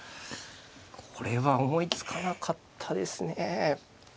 これは思いつかなかったですね。